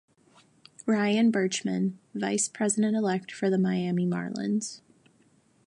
Ryan Bertschman - Vice President Elect for the Miami Marlins.